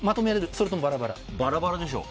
それともバラバラ？